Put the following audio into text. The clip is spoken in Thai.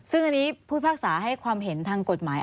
ซึ่งอันนี้ผู้พิพากษาให้ความเห็นทางกฎหมาย